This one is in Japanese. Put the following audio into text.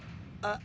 あ？